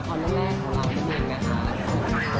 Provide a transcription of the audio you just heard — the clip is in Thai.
กระคนแรกของเรานี่หน่อยค่ะ